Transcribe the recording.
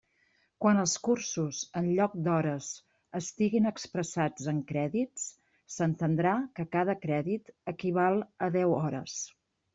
Quan els cursos, en lloc d'hores, estiguin expressats en crèdits, s'entendrà que cada crèdit equival a deu hores.